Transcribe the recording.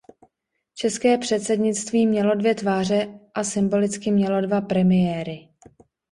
České předsednictví mělo dvě tváře a symbolicky mělo dva premiéry.